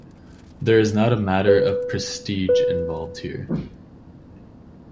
There is not a matter of prestige involved here.